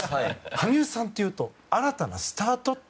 羽生さんというと新たなスタート。